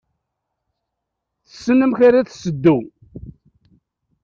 Tessen amek ara s-teddu.